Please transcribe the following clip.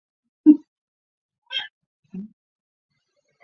基于传输控制协议的应用层协议。